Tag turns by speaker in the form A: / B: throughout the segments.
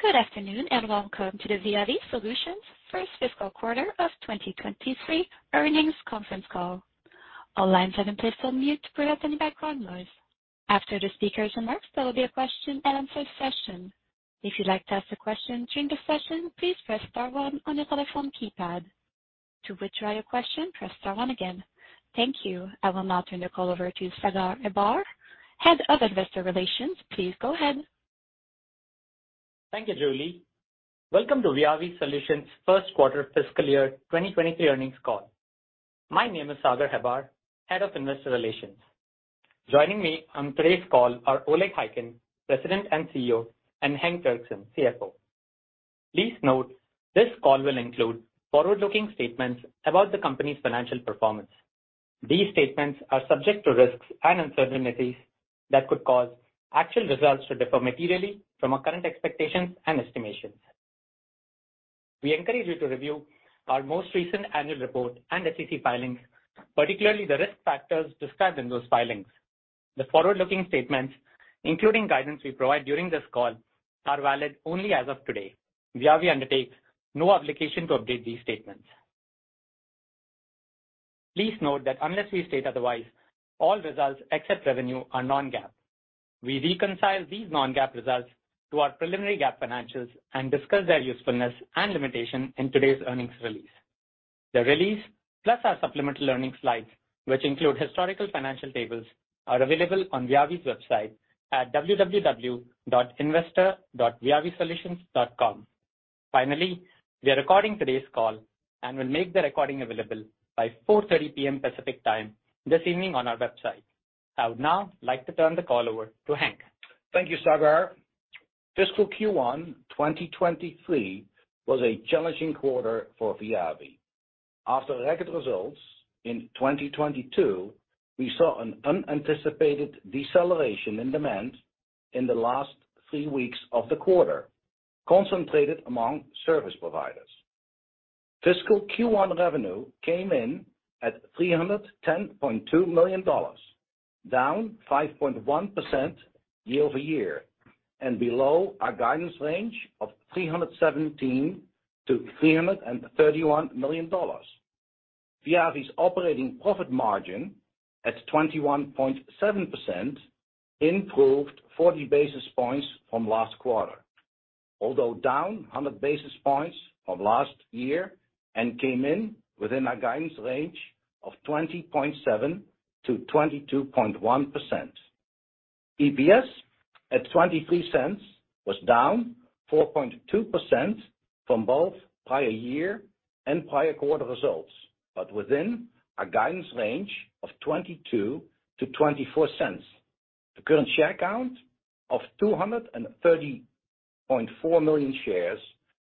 A: Good afternoon, and welcome to the Viavi Solutions first fiscal quarter of 2023 earnings conference call. All lines have been placed on mute to prevent any background noise. After the speakers' remarks, there will be a question-and-answer session. If you'd like to ask a question during the session, please press star one on your telephone keypad. To withdraw your question, press star one again. Thank you. I will now turn the call over to Sagar Hebbar, Head of Investor Relations. Please go ahead.
B: Thank you, Julie. Welcome to VIAVI Solutions first quarter fiscal year 2023 earnings call. My name is Sagar Hebbar, Head of Investor Relations. Joining me on today's call are Oleg Khaykin, President and CEO, and Henk Derksen, CFO. Please note, this call will include forward-looking statements about the company's financial performance. These statements are subject to risks and uncertainties that could cause actual results to differ materially from our current expectations and estimations. We encourage you to review our most recent annual report and SEC filings, particularly the risk factors discussed in those filings. The forward-looking statements, including guidance we provide during this call, are valid only as of today. VIAVI undertakes no obligation to update these statements. Please note that unless we state otherwise, all results except revenue are non-GAAP. We reconcile these non-GAAP results to our preliminary GAAP financials and discuss their usefulness and limitation in today's earnings release. The release, plus our supplemental earnings slides, which include historical financial tables, are available on VIAVI's website at www.investor.VIAVISolutions.com. Finally, we are recording today's call and will make the recording available by 4:30 P.M. Pacific Time this evening on our website. I would now like to turn the call over to Henk.
C: Thank you, Sagar. Fiscal Q1 2023 was a challenging quarter for VIAVI. After record results in 2022, we saw an unanticipated deceleration in demand in the last three weeks of the quarter, concentrated among service providers. Fiscal Q1 revenue came in at $310.2 million, down 5.1% year-over-year, and below our guidance range of $317 million-$331 million. VIAVI's operating profit margin at 21.7% improved 40 basis points from last quarter. Although down 100 basis points from last year and came in within our guidance range of 20.7%-22.1%. EPS at $0.23 was down 4.2% from both prior year and prior quarter results, but within our guidance range of $0.22-$0.24. The current share count of 230.4 million shares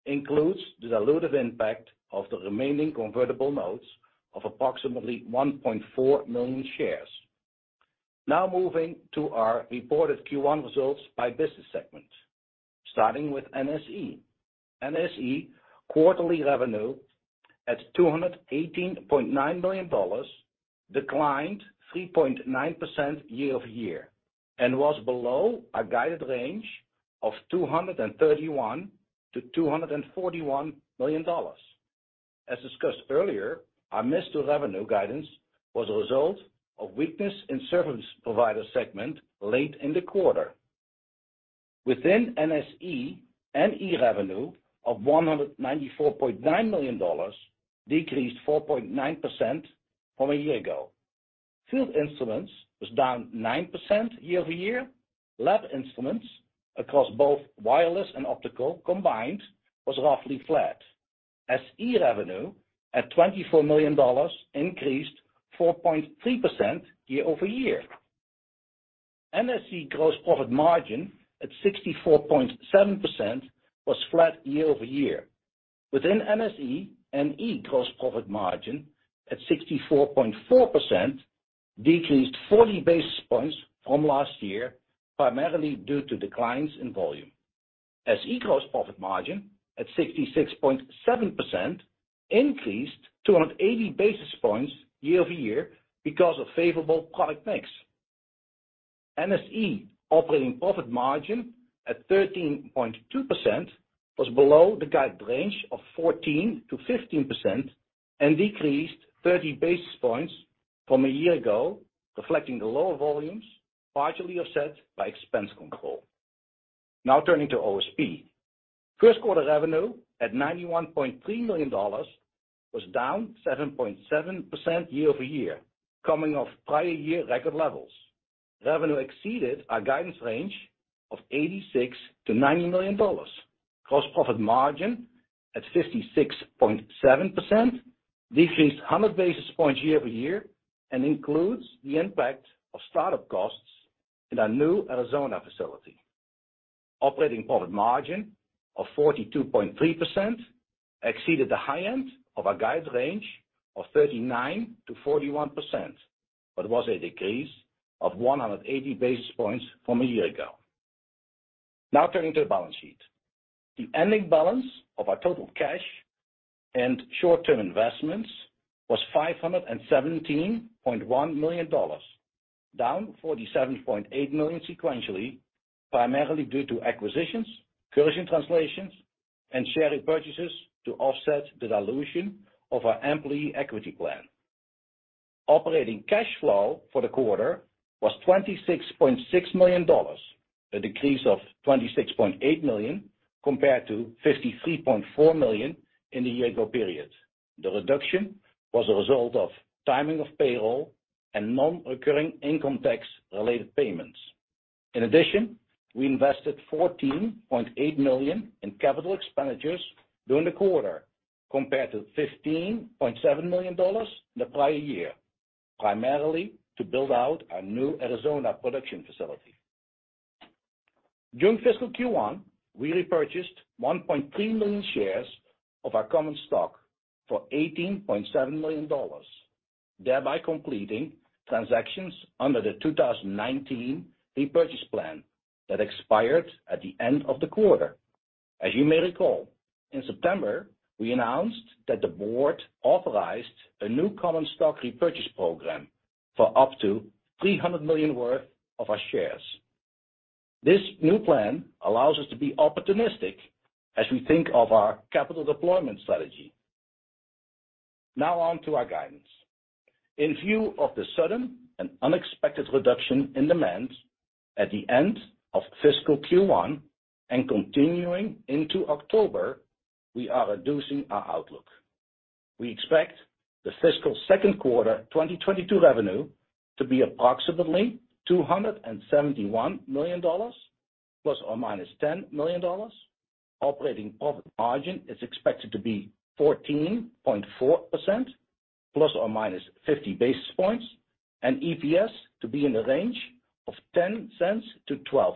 C: includes the dilutive impact of the remaining convertible notes of approximately 1.4 million shares. Now moving to our reported Q1 results by business segment, starting with NSE. NSE quarterly revenue at $218.9 million declined 3.9% year-over-year and was below our guided range of $231 million-$241 million. As discussed earlier, our missed revenue guidance was a result of weakness in service provider segment late in the quarter. Within NSE, NE revenue of $194.9 million decreased 4.9% from a year ago. Field Instruments was down 9% year-over-year. Lab Instruments across both wireless and optical combined was roughly flat. SE revenue at $24 million increased 4.3% year-over-year. NSE gross profit margin at 64.7% was flat year-over-year. Within NSE, NE gross profit margin at 64.4% decreased 40 basis points from last year, primarily due to declines in volume. SE gross profit margin at 66.7% increased 280 basis points year-over-year because of favorable product mix. NSE operating profit margin at 13.2% was below the guided range of 14%-15% and decreased 30 basis points from a year ago, reflecting the lower volumes partially offset by expense control. Now turning to OSP. First quarter revenue at $91.3 million was down 7.7% year-over-year, coming off prior year record levels. Revenue exceeded our guidance range of $86 million-$90 million. Gross profit margin at 56.7% decreased 100 basis points year-over-year and includes the impact of start-up costs in our new Arizona facility. Operating profit margin of 42.3% exceeded the high end of our guided range of 39%-41%, but was a decrease of 180 basis points from a year ago. Now turning to the balance sheet. The ending balance of our total cash and short-term investments was $517.1 million, down $47.8 million sequentially, primarily due to acquisitions, currency translations, and share repurchases to offset the dilution of our employee equity plan. Operating cash flow for the quarter was $26.6 million, a decrease of $26.8 million compared to $53.4 million in the year ago period. The reduction was a result of timing of payroll and non-recurring income tax related payments. In addition, we invested $14.8 million in capital expenditures during the quarter compared to $15.7 million in the prior year, primarily to build out our new Arizona production facility. During fiscal Q1, we repurchased 1.3 million shares of our common stock for $18.7 million, thereby completing transactions under the 2019 repurchase plan that expired at the end of the quarter. As you may recall, in September, we announced that the board authorized a new common stock repurchase program for up to $300 million worth of our shares. This new plan allows us to be opportunistic as we think of our capital deployment strategy. Now on to our guidance. In view of the sudden and unexpected reduction in demand at the end of fiscal Q1 and continuing into October, we are reducing our outlook. We expect the fiscal second quarter 2022 revenue to be approximately $271 million ±$10 million. Operating profit margin is expected to be 14.4% ±50 basis points, and EPS to be in the range of $0.10-$0.12.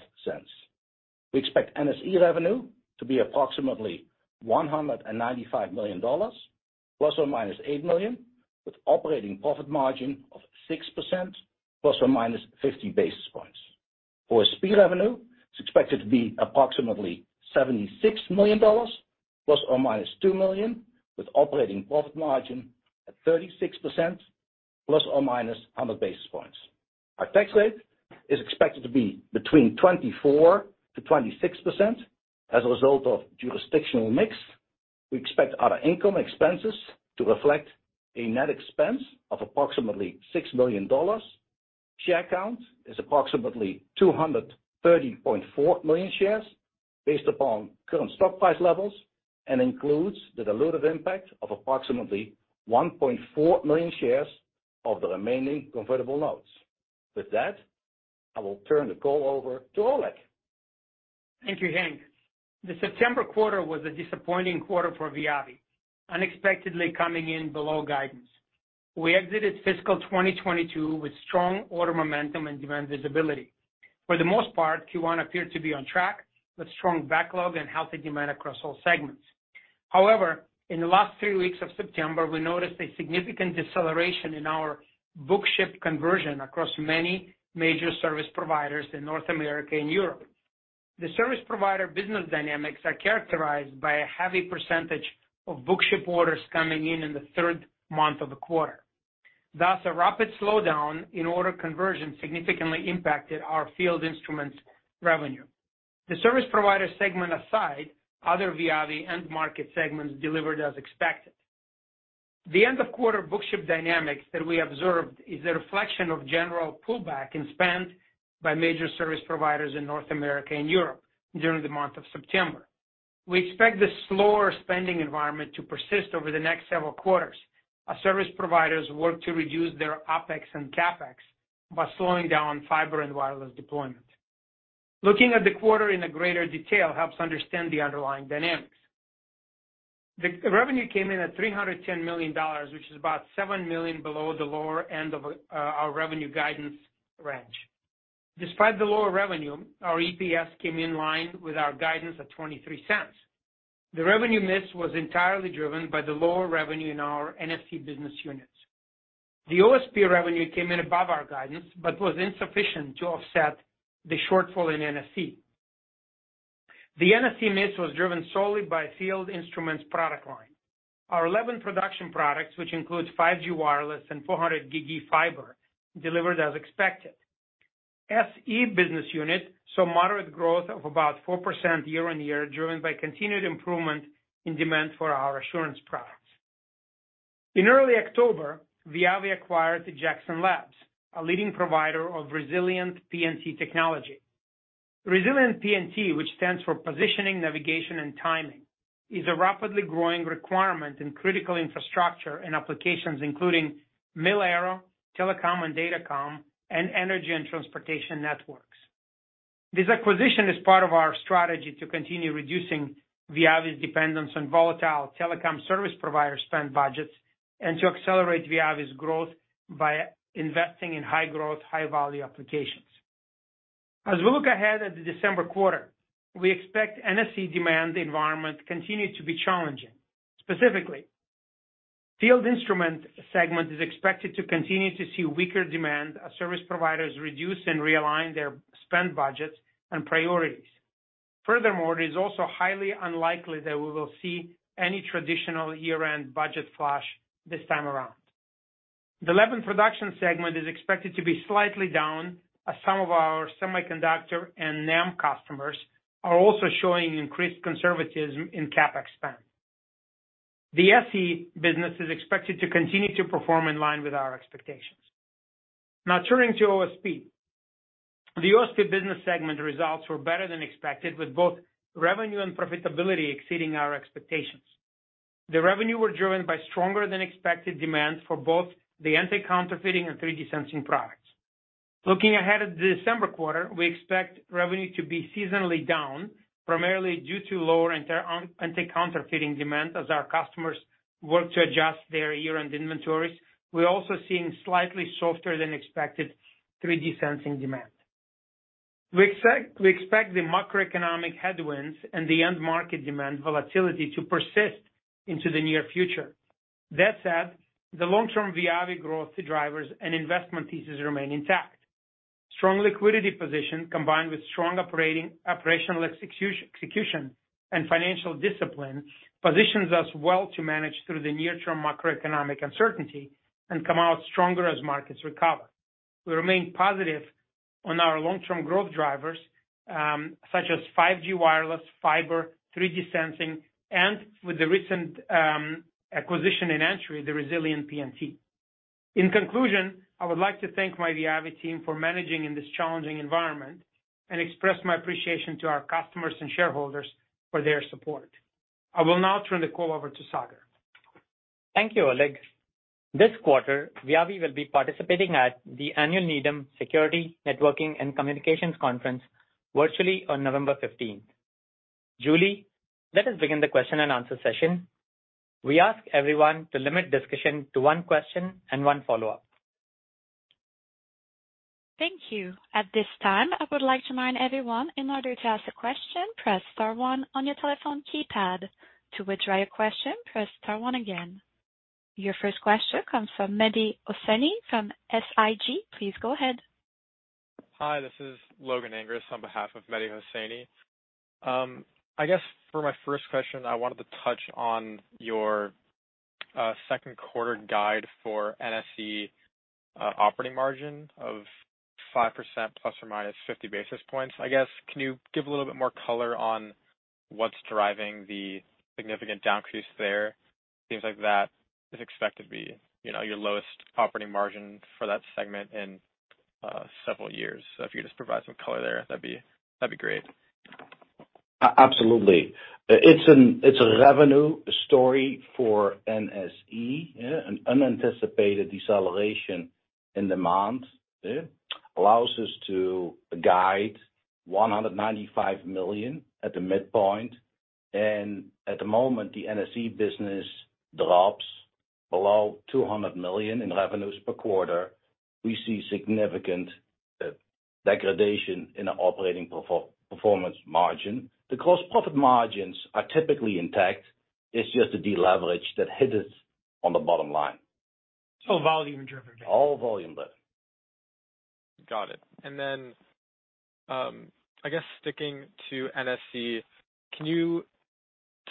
C: We expect NSE revenue to be approximately $195 million ±$8 million, with operating profit margin of 6% ±50 basis points. For OSP revenue, it's expected to be approximately $76 million ± $2 million, with operating profit margin at 36% ± 100 basis points. Our tax rate is expected to be between 24%-26%. As a result of jurisdictional mix, we expect other income expenses to reflect a net expense of approximately $6 million. Share count is approximately 230.4 million shares based upon current stock price levels, and includes the dilutive impact of approximately 1.4 million shares of the remaining convertible notes. With that, I will turn the call over to Oleg Khaykin.
D: Thank you, Henk. The September quarter was a disappointing quarter for Viavi, unexpectedly coming in below guidance. We exited fiscal 2022 with strong order momentum and demand visibility. For the most part, Q1 appeared to be on track with strong backlog and healthy demand across all segments. However, in the last three weeks of September, we noticed a significant deceleration in our book-to-ship conversion across many major service providers in North America and Europe. The service provider business dynamics are characterized by a heavy percentage of book-to-ship orders coming in in the third month of the quarter. Thus, a rapid slowdown in order conversion significantly impacted our Field Instruments revenue. The service provider segment aside, other Viavi end market segments delivered as expected. The end of quarter book ship dynamics that we observed is a reflection of general pullback in spend by major service providers in North America and Europe during the month of September. We expect this slower spending environment to persist over the next several quarters as service providers work to reduce their OpEx and CapEx by slowing down fiber and wireless deployment. Looking at the quarter in a greater detail helps understand the underlying dynamics. The revenue came in at $310 million, which is about $7 million below the lower end of our revenue guidance range. Despite the lower revenue, our EPS came in line with our guidance at $0.23. The revenue miss was entirely driven by the lower revenue in our NSE business units. The OSP revenue came in above our guidance, but was insufficient to offset the shortfall in NSE. The NSE miss was driven solely by field instruments product line. Our lab and production products, which includes 5G wireless and 400GigE fiber, delivered as expected. SE business unit saw moderate growth of about 4% year-on-year, driven by continued improvement in demand for our assurance products. In early October, Viavi acquired Jackson Labs Technologies, a leading provider of resilient PNT technology. Resilient PNT, which stands for positioning, navigation, and timing, is a rapidly growing requirement in critical infrastructure and applications including mil-aero, telecom and datacom, and energy and transportation networks. This acquisition is part of our strategy to continue reducing Viavi's dependence on volatile telecom service provider spend budgets, and to accelerate Viavi's growth via investing in high-growth, high-value applications. As we look ahead at the December quarter, we expect NSE demand environment to continue to be challenging. Specifically, Field Instruments segment is expected to continue to see weaker demand as service providers reduce and realign their spend budgets and priorities. Furthermore, it is also highly unlikely that we will see any traditional year-end budget flush this time around. The lab and production segment is expected to be slightly down as some of our semiconductor and NEM customers are also showing increased conservatism in CapEx spend. The SE business is expected to continue to perform in line with our expectations. Now turning to OSP. The OSP business segment results were better than expected, with both revenue and profitability exceeding our expectations. The revenue were driven by stronger than expected demand for both the anti-counterfeiting and 3D sensing products. Looking ahead at the December quarter, we expect revenue to be seasonally down, primarily due to lower anti-counterfeiting demand as our customers work to adjust their year-end inventories. We're also seeing slightly softer than expected 3D sensing demand. We expect the macroeconomic headwinds and the end market demand volatility to persist into the near future. That said, the long-term Viavi growth drivers and investment thesis remain intact. Strong liquidity position, combined with strong operational execution and financial discipline, positions us well to manage through the near term macroeconomic uncertainty and come out stronger as markets recover. We remain positive on our long-term growth drivers, such as 5G wireless, fiber, 3D sensing, and with the recent acquisition and entry, the resilient PNT. In conclusion, I would like to thank my Viavi team for managing in this challenging environment and express my appreciation to our customers and shareholders for their support. I will now turn the call over to Sagar.
B: Thank you, Oleg. This quarter, Viavi will be participating at the annual Needham Security, Networking, & Communications Conference virtually on November fifteenth. Julie, let us begin the question and answer session. We ask everyone to limit discussion to one question and one follow-up.
A: Thank you. At this time, I would like to remind everyone, in order to ask a question, press star one on your telephone keypad. To withdraw your question, press star one again. Your first question comes from Mehdi Hosseini from SIG. Please go ahead.
E: Hi, this is Logan Angress behalf of Mehdi Hosseini. I guess for my first question, I wanted to touch on your second quarter guide for NSE operating margin of 5% ±50 basis points. I guess, can you give a little bit more color on what's driving the significant decrease there? Seems like that is expected to be, you know, your lowest operating margin for that segment in several years. If you just provide some color there, that'd be great.
D: Absolutely. It's a revenue story for NSE. Yeah. An unanticipated deceleration in demand, yeah, allows us to guide $195 million at the midpoint. At the moment, the NSE business drops below $200 million in revenues per quarter. We see significant degradation in the operating performance margin. The gross profit margins are typically intact. It's just a deleverage that hit us on the bottom line.
B: Volume driven.
D: All volume driven.
E: Got it. I guess sticking to NSE, can you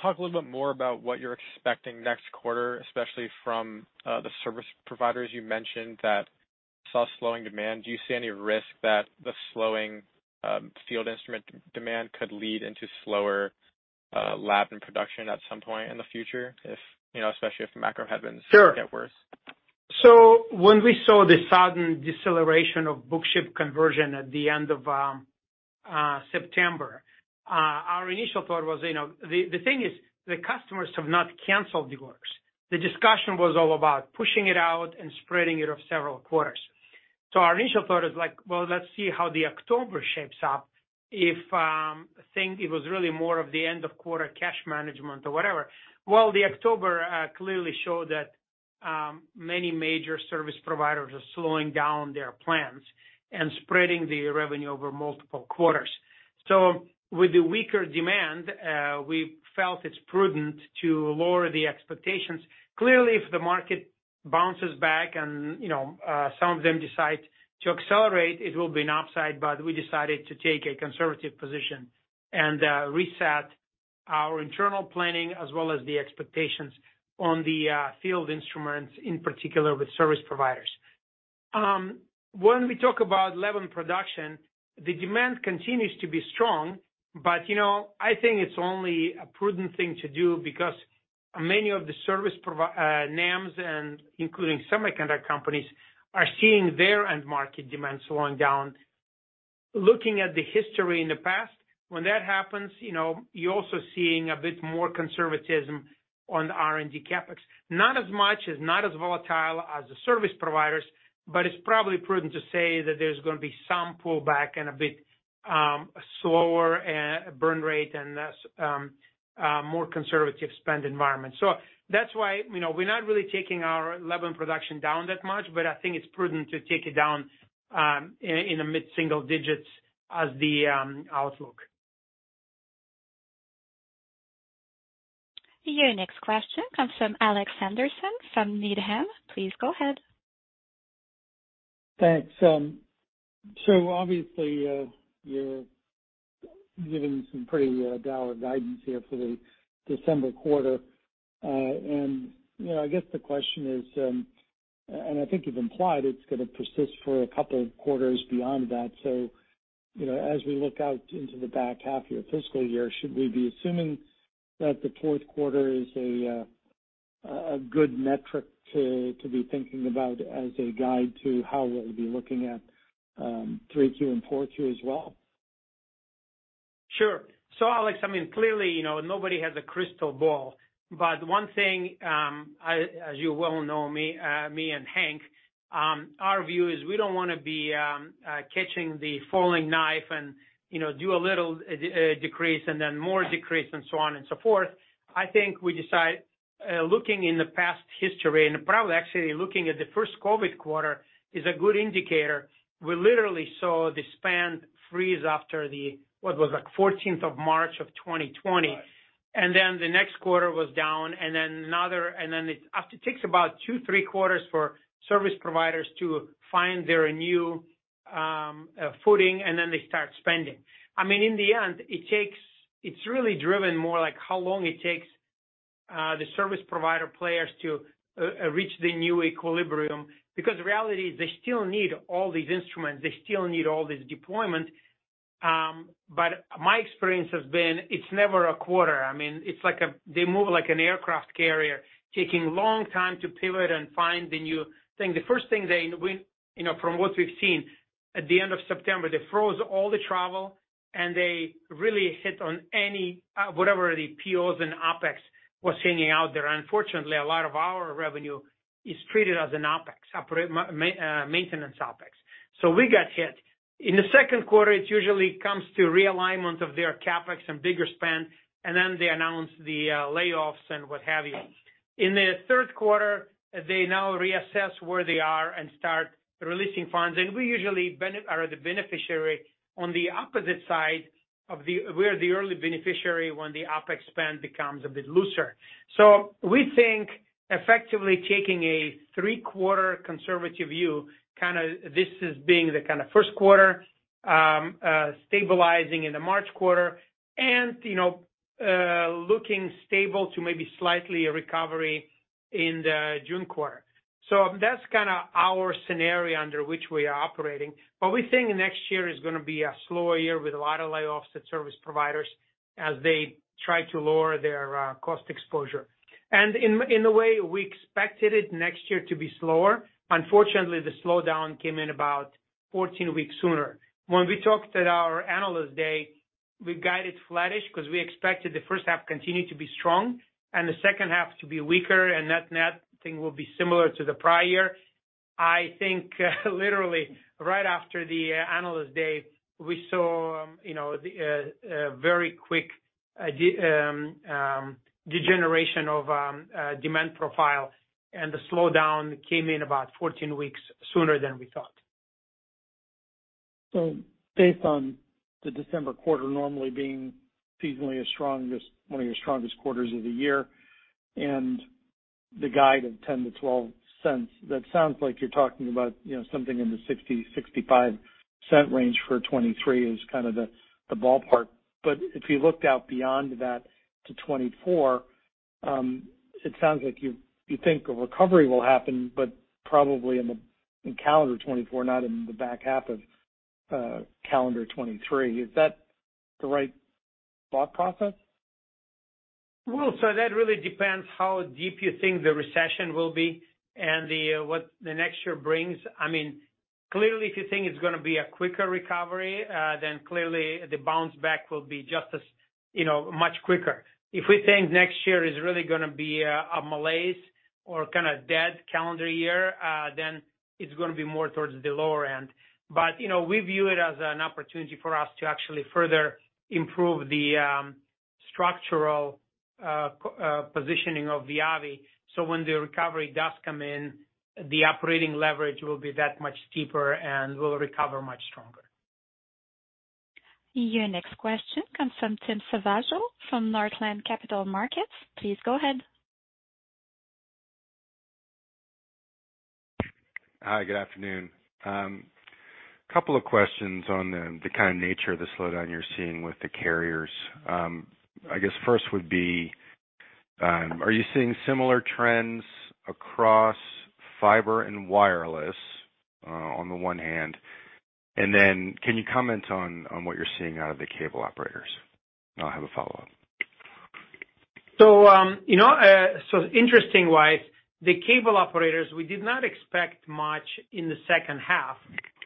E: talk a little bit more about what you're expecting next quarter, especially from the service providers you mentioned that saw slowing demand? Do you see any risk that the slowing field instrument demand could lead into slower lab and production at some point in the future, if you know, especially if the macro headwinds?
D: Sure.
E: Get worse?
D: When we saw the sudden deceleration of book ship conversion at the end of September, our initial thought was, you know. The thing is, the customers have not canceled the orders. The discussion was all about pushing it out and spreading it over several quarters. Our initial thought is like, well, let's see how the October shapes up. I think it was really more of the end-of-quarter cash management or whatever. The October clearly showed that many major service providers are slowing down their plans and spreading the revenue over multiple quarters. With the weaker demand, we felt it's prudent to lower the expectations. Clearly, if the market bounces back and some of them decide to accelerate, it will be an upside. We decided to take a conservative position and reset our internal planning as well as the expectations on the field instruments, in particular with service providers. When we talk about lab and production, the demand continues to be strong. You know, I think it's only a prudent thing to do because many of the service providers, NEMs and including semiconductor companies, are seeing their end market demand slowing down. Looking at the history in the past, when that happens, you know, you're also seeing a bit more conservatism on the R&D CapEx. Not as much as, not as volatile as the service providers, but it's probably prudent to say that there's gonna be some pullback and a bit slower burn rate and less more conservative spend environment. That's why, you know, we're not really taking our lab and production down that much, but I think it's prudent to take it down in the mid-single digits as the outlook.
A: Your next question comes from Alex Henderson from Needham. Please go ahead.
F: Thanks. So obviously, you're giving some pretty dollar guidance here for the December quarter. You know, I guess the question is, and I think you've implied it's gonna persist for a couple of quarters beyond that. You know, as we look out into the back half of your fiscal year, should we be assuming that the fourth quarter is a good metric to be thinking about as a guide to how we'll be looking at 3Q and 4Q as well?
D: Sure. Alex, I mean, clearly, you know, nobody has a crystal ball, but one thing, as you well know me and Henk, our view is we don't wanna be, catching the falling knife and, you know, do a little, decrease and then more decrease and so on and so forth. I think we decide, looking in the past history and probably actually looking at the first COVID quarter is a good indicator. We literally saw the spend freeze after the, what was like 14th of March of 2020.
F: Right.
D: The next quarter was down, and then another, and then it takes about two, three quarters for service providers to find their new footing, and then they start spending. I mean, in the end, it's really driven more like how long it takes the service provider players to reach the new equilibrium because the reality is they still need all these instruments. They still need all this deployment. My experience has been, it's never a quarter. I mean, it's like they move like an aircraft carrier, taking long time to pivot and find the new thing. The first thing they did, you know, from what we've seen at the end of September, they froze all the travel, and they really hit on any whatever the POs and OpEx was hanging out there. Unfortunately, a lot of our revenue is treated as an OpEx, operating maintenance OpEx. We got hit. In the second quarter, it usually comes to realignment of their CapEx and bigger spend, and then they announce the layoffs and what have you. In the third quarter, they now reassess where they are and start releasing funds. We usually are the beneficiary on the opposite side. We're the early beneficiary when the OpEx spend becomes a bit looser. We think effectively taking a three-quarter conservative view, kinda this is being the kinda first quarter, stabilizing in the March quarter and, you know, looking stable to maybe slightly a recovery in the June quarter. That's kinda our scenario under which we are operating. We think next year is gonna be a slower year with a lot of layoffs at service providers as they try to lower their cost exposure. In a way, we expected it next year to be slower. Unfortunately, the slowdown came in about 14 weeks sooner. When we talked at our Analyst Day, we guided flattish 'cause we expected the first half continued to be strong and the second half to be weaker, and net-net thing will be similar to the prior. I think literally right after the Analyst Day, we saw you know the very quick degeneration of demand profile, and the slowdown came in about 14 weeks sooner than we thought.
F: Based on the December quarter normally being seasonally as strong as one of your strongest quarters of the year and the guide of $0.10-$0.12, that sounds like you're talking about, you know, something in the $0.60-$0.65 range for 2023 is kind of the ballpark. If you looked out beyond that to 2024, it sounds like you think a recovery will happen, but probably in calendar 2024, not in the back half of calendar 2023. Is that the right thought process?
D: That really depends how deep you think the recession will be and what the next year brings. I mean, clearly, if you think it's gonna be a quicker recovery, then clearly the bounce back will be just as, you know, much quicker. If we think next year is really gonna be a malaise or kinda dead calendar year, then it's gonna be more towards the lower end. You know, we view it as an opportunity for us to actually further improve the structural positioning of Viavi, so when the recovery does come in, the operating leverage will be that much steeper, and we'll recover much stronger.
A: Your next question comes from Tim Savageaux from Northland Capital Markets. Please go ahead.
G: Hi, good afternoon. Couple of questions on the kind of nature of the slowdown you're seeing with the carriers. I guess first would be, are you seeing similar trends across fiber and wireless on the one hand? Can you comment on what you're seeing out of the cable operators? I'll have a follow-up.
D: Interestingly, the cable operators, we did not expect much in the second half,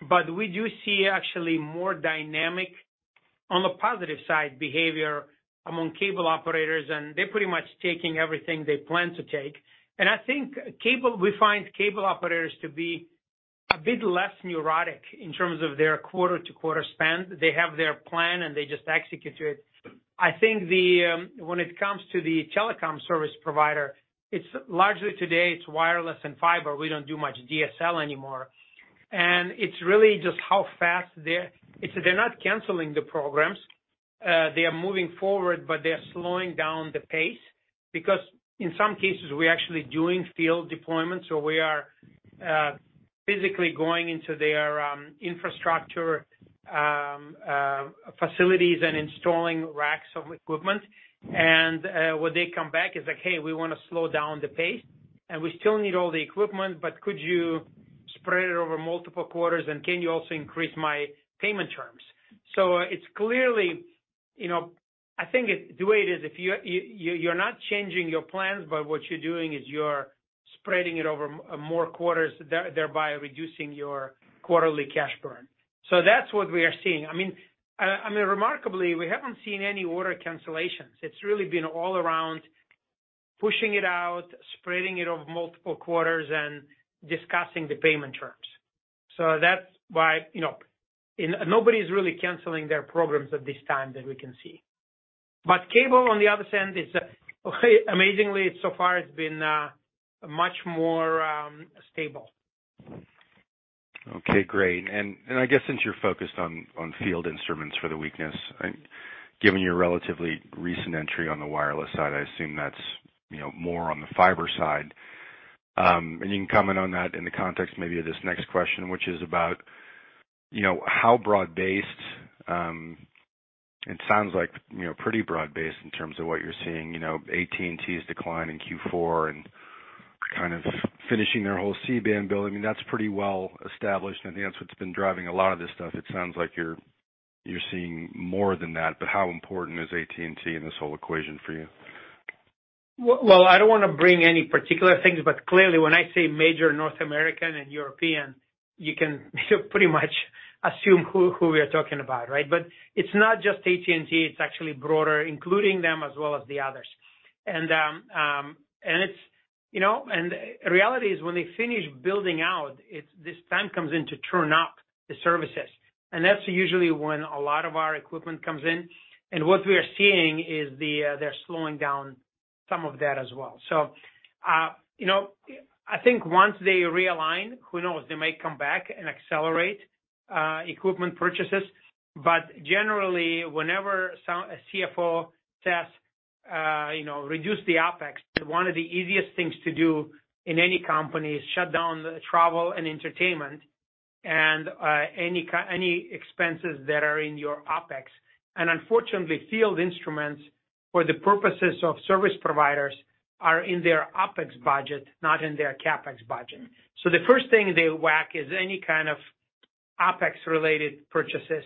D: but we do see actually more dynamic on the positive side behavior among cable operators, and they're pretty much taking everything they plan to take. I think we find cable operators to be a bit less neurotic in terms of their quarter-to-quarter spend. They have their plan, and they just execute to it. I think when it comes to the telecom service provider, it's largely today wireless and fiber. We don't do much DSL anymore. It's really just they're not canceling the programs, they are moving forward, but they are slowing down the pace because in some cases we're actually doing field deployments, so we are physically going into their infrastructure facilities and installing racks of equipment. When they come back, it's like, "Hey, we wanna slow down the pace, and we still need all the equipment, but could you spread it over multiple quarters, and can you also increase my payment terms?" It's clearly, you know, I think it, the way it is, if you're not changing your plans, but what you're doing is you're spreading it over more quarters, thereby reducing your quarterly cash burn. That's what we are seeing. I mean, I mean, remarkably, we haven't seen any order cancellations. It's really been all around pushing it out, spreading it over multiple quarters, and discussing the payment terms. That's why, you know. Nobody's really canceling their programs at this time, that we can see. Cable, on the other hand, is amazingly, so far it's been much more stable.
G: Okay, great. I guess since you're focused on field instruments for the weakness. Given your relatively recent entry on the wireless side, I assume that's, you know, more on the fiber side. You can comment on that in the context maybe of this next question, which is about, you know, how broad-based. It sounds like, you know, pretty broad-based in terms of what you're seeing. You know, AT&T's decline in Q4 and kind of finishing their whole C-band build, I mean, that's pretty well established, and that's what's been driving a lot of this stuff. It sounds like you're seeing more than that, but how important is AT&T in this whole equation for you?
D: Well, I don't wanna bring any particular things, but clearly when I say major North American and European, you can pretty much assume who we are talking about, right? It's not just AT&T, it's actually broader, including them as well as the others. It's, you know, reality is when they finish building out, it's this time comes in to turn up the services. That's usually when a lot of our equipment comes in. What we are seeing is the, they're slowing down some of that as well. You know, I think once they realign, who knows? They may come back and accelerate equipment purchases. Generally, whenever a CFO says, you know, "Reduce the OpEx," one of the easiest things to do in any company is shut down the travel and entertainment and any expenses that are in your OpEx. Unfortunately, Field Instruments for the purposes of service providers are in their OpEx budget, not in their CapEx budget. The first thing they whack is any kind of OpEx-related purchases,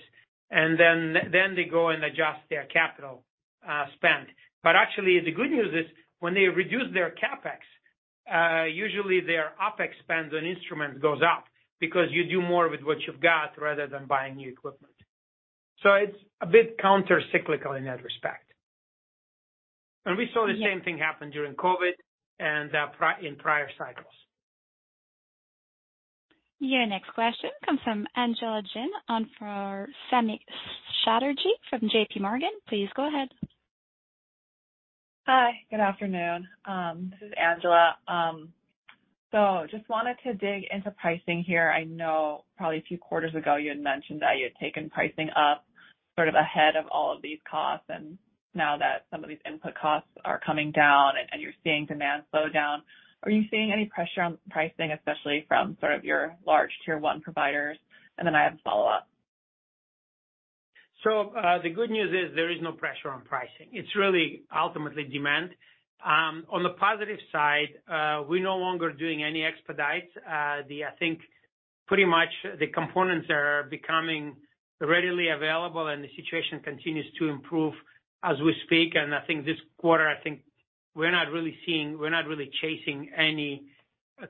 D: and then they go and adjust their capital spend. Actually, the good news is when they reduce their CapEx, usually their OpEx spends on instruments goes up because you do more with what you've got rather than buying new equipment. It's a bit counter-cyclical in that respect. We saw the same thing happen during COVID and in prior cycles.
A: Your next question comes from Angela Jin on for Samik Chatterjee from J.P. Morgan. Please go ahead.
H: Hi, good afternoon. This is Angela. So just wanted to dig into pricing here. I know probably a few quarters ago you had mentioned that you had taken pricing up sort of ahead of all of these costs. Now that some of these input costs are coming down and you're seeing demand slow down, are you seeing any pressure on pricing, especially from sort of your large tier one providers? I have a follow-up.
D: The good news is there is no pressure on pricing. It's really ultimately demand. On the positive side, we're no longer doing any expedites. I think pretty much the components are becoming readily available, and the situation continues to improve as we speak. I think this quarter, we're not really chasing any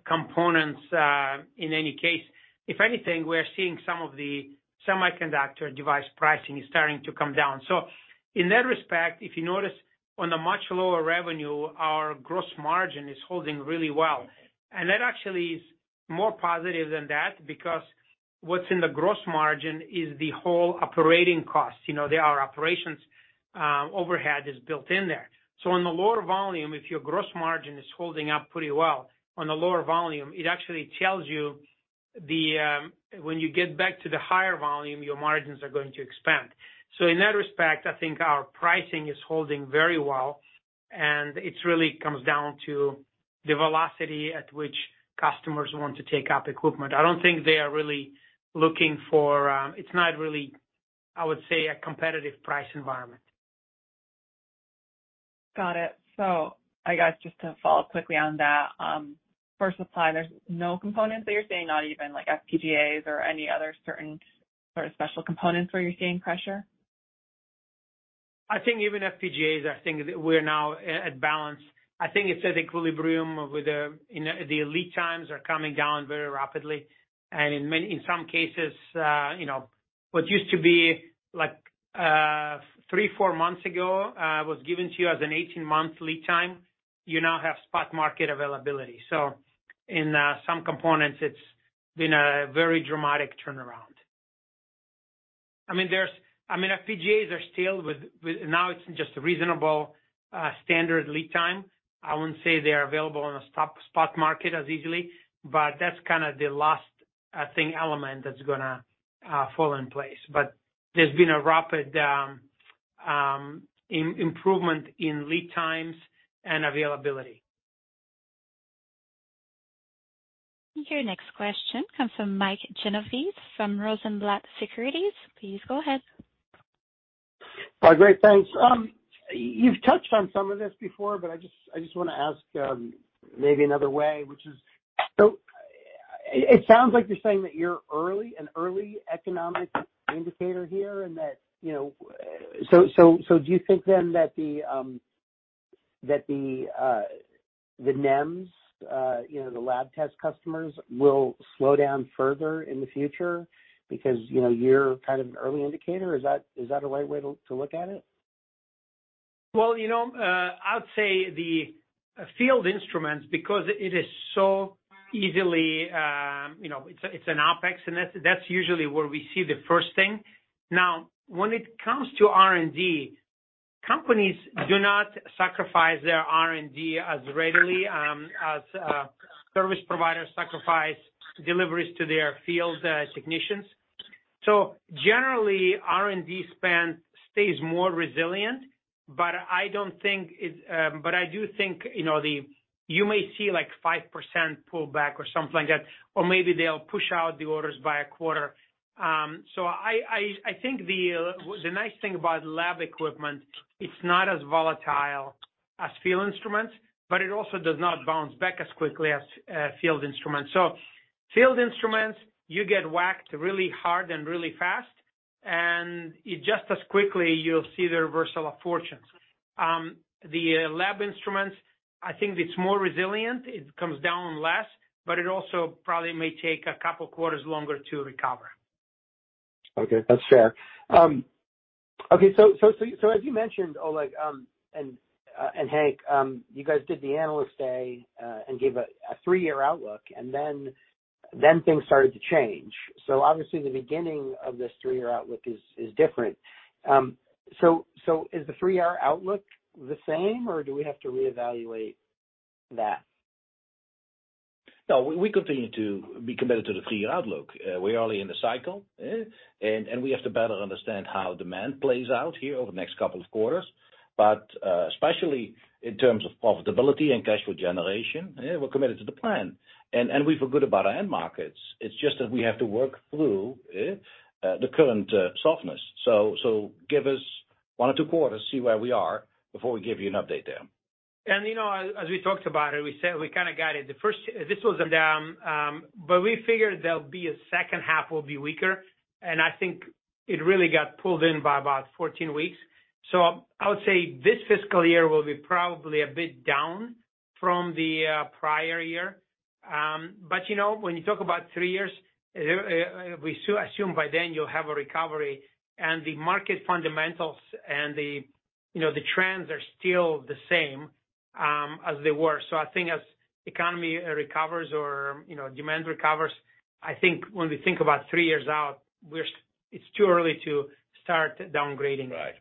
D: components, in any case. If anything, we are seeing some of the semiconductor device pricing is starting to come down. In that respect, if you notice on the much lower revenue, our gross margin is holding really well. That actually is more positive than that because what's in the gross margin is the whole operating cost. You know, there are operations, overhead is built in there. On the lower volume, if your gross margin is holding up pretty well on the lower volume, it actually tells you the, when you get back to the higher volume, your margins are going to expand. In that respect, I think our pricing is holding very well, and it's really comes down to the velocity at which customers want to take up equipment. I don't think they are really looking for. It's not really, I would say, a competitive price environment.
H: Got it. I guess just to follow up quickly on that, for supply, there's no components that you're seeing, not even like FPGAs or any other certain sort of special components where you're seeing pressure?
D: I think even FPGAs, we're now at balance. I think it's at equilibrium. Lead times are coming down very rapidly. In some cases, you know, what used to be like 3-4 months ago was given to you as an 18-month lead time. You now have spot market availability. In some components, it's been a very dramatic turnaround. I mean, FPGAs are still with now it's just a reasonable standard lead time. I wouldn't say they are available on a spot market as easily, but that's kinda the last, I think, element that's gonna fall in place. There's been a rapid improvement in lead times and availability.
A: Your next question comes from Mike Genovese from Rosenblatt Securities. Please go ahead.
I: Hi. Great. Thanks. You've touched on some of this before, but I just wanna ask maybe another way, which is. It sounds like you're saying that you're an early economic indicator here and that, you know. Do you think then that the NEMs, you know, the lab test customers will slow down further in the future because, you know, you're kind of an early indicator? Is that a right way to look at it?
D: Well, you know, I would say the field instruments because it is so easily, you know, it's an OpEx, and that's usually where we see the first thing. Now, when it comes to R&D, companies do not sacrifice their R&D as readily, as service providers sacrifice deliveries to their field technicians. So generally, R&D spend stays more resilient, but I do think, you know, you may see like 5% pullback or something like that, or maybe they'll push out the orders by a quarter. I think the nice thing about lab equipment, it's not as volatile as field instruments, but it also does not bounce back as quickly as field instruments. Field Instruments, you get whacked really hard and really fast, and it just as quickly you'll see the reversal of fortunes. The Lab Instruments, I think it's more resilient. It comes down less, but it also probably may take a couple quarters longer to recover.
I: Okay. That's fair. Okay, as you mentioned, Oleg, and Henk, you guys did the Analyst Day and gave a three-year outlook, and then things started to change. Obviously the beginning of this three-year outlook is different. Is the three-year outlook the same, or do we have to reevaluate that?
C: No. We continue to be committed to the three-year outlook. We're early in the cycle? We have to better understand how demand plays out here over the next couple of quarters. Especially in terms of profitability and cash flow generation, we're committed to the plan. We feel good about our end markets. It's just that we have to work through the current softness. Give us one or two quarters, see where we are before we give you an update there.
D: You know, as we talked about it, we said we kinda got it. We figured the second half will be weaker, and I think it really got pulled in by about 14 weeks. I would say this fiscal year will be probably a bit down from the prior year. You know, when you talk about three years, we assume by then you'll have a recovery. The market fundamentals and the trends are still the same as they were. I think as the economy recovers or demand recovers, I think when we think about three years out, it's too early to start downgrading.
C: Right.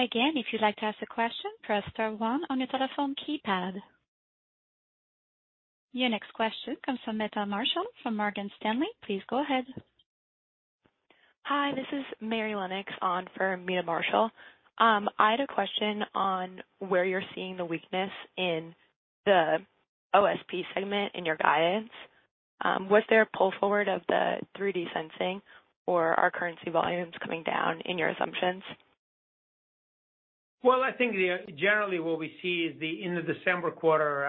A: Again, if you'd like to ask a question, press star one on your telephone keypad. Your next question comes from Meta Marshall from Morgan Stanley. Please go ahead.
J: Hi. This is Mary Lenox on for Meta Marshall. I had a question on where you're seeing the weakness in the OSP segment in your guidance. Was there a pull forward of the 3D sensing or are currency volumes coming down in your assumptions?
D: Well, I think generally what we see is the end of December quarter,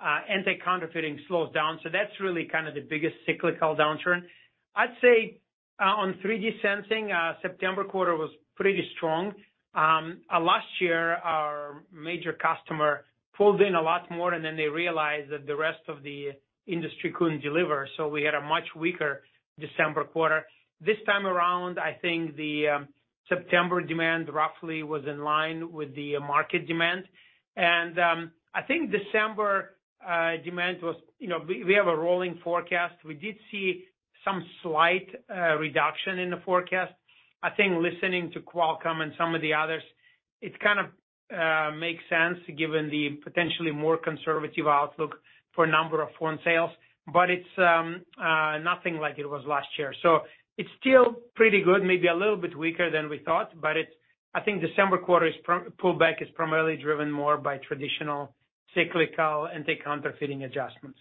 D: anti-counterfeiting slows down, so that's really kind of the biggest cyclical downturn. I'd say on 3D sensing, September quarter was pretty strong. Last year our major customer pulled in a lot more and then they realized that the rest of the industry couldn't deliver, so we had a much weaker December quarter. This time around, I think the September demand roughly was in line with the market demand. I think December demand was you know, we have a rolling forecast. We did see some slight reduction in the forecast. I think listening to Qualcomm and some of the others, it kind of makes sense given the potentially more conservative outlook for number of phone sales, but it's nothing like it was last year. It's still pretty good, maybe a little bit weaker than we thought, but it's, I think December quarter's pullback is primarily driven more by traditional cyclical anti-counterfeiting adjustments.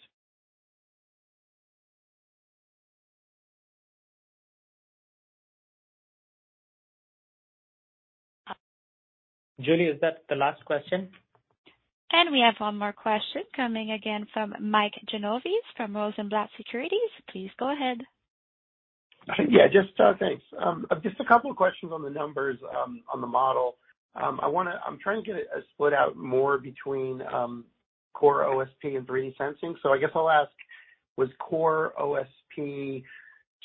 D: Julie, is that the last question?
A: We have one more question coming again from Mike Genovese from Rosenblatt Securities. Please go ahead.
I: Just thanks. Just a couple of questions on the numbers, on the model. I'm trying to get a split out more between core OSP and 3D sensing. I guess I'll ask, was core OSP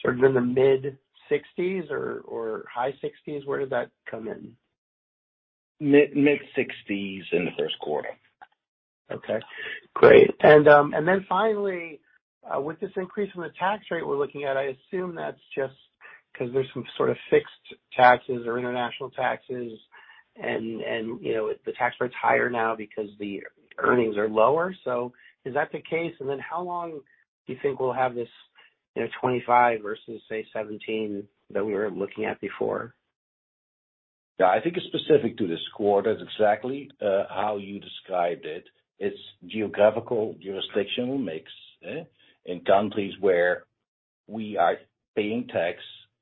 I: sort of in the mid-sixties or high sixties? Where did that come in?
C: Mid-sixties in the first quarter.
I: Okay. Great. Then finally, with this increase in the tax rate we're looking at, I assume that's just 'cause there's some sort of fixed taxes or international taxes and, you know, the tax rate's higher now because the earnings are lower. Is that the case? How long do you think we'll have this, you know, 25% versus, say, 17% that we were looking at before?
C: Yeah. I think it's specific to this quarter. It's exactly how you described it. It's geographical jurisdictional mix in countries where we are paying tax,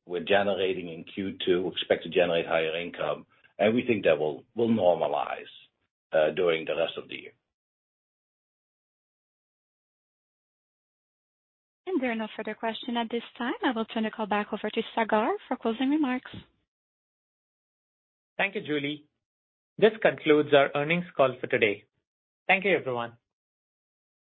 C: we're generating in Q2, expect to generate higher income, and we think that will normalize during the rest of the year.
A: There are no further questions at this time. I will turn the call back over to Sagar for closing remarks.
B: Thank you, Julie. This concludes our earnings call for today. Thank you, everyone.